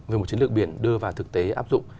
về một chiến lược biển đưa vào thực tế áp dụng